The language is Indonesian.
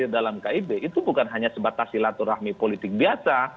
dalam kib itu bukan hanya sebatas silaturahmi politik biasa